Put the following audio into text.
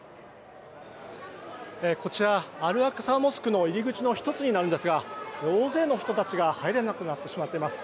こちらアルアクサ・モスクの入り口の１つになるんですが大勢の人たちが入れなくなっています。